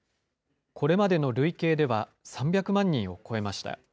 これまでの累計では、３００万人を超えました。